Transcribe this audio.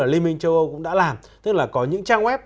liên minh châu âu cũng đã làm tức là có những trang web